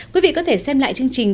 quý vị có thể xem lại chương trình